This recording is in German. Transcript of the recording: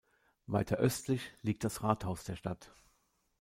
Weiter östlich liegt das Rathaus der Stadt.